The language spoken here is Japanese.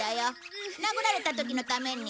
殴られた時のために。